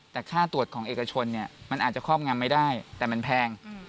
แต่ค่าตรวจของเอกชนเนี่ยมันอาจจะครอบงำไม่ได้แต่มันแพง